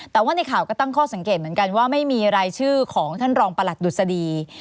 แต่ว่าในข่าวก็ตั้งข้อสังเกตเหมือนกันว่าไม่มีรายชื่อของท่านรองประหลัดดุษฎี